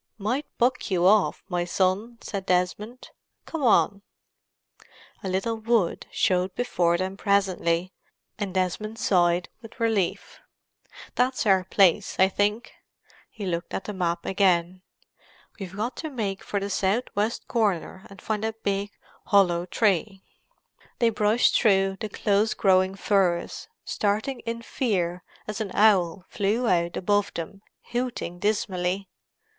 "Might buck you off, my son," said Desmond. "Come on." A little wood showed before them presently, and Desmond sighed with relief. "That's our place, I think." He looked at the map again. "We've got to make for the south west corner and find a big, hollow tree." They brushed through the close growing firs, starting in fear as an owl flew out above them, hooting dismally.